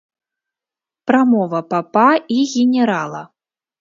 Прамова папа і генерала.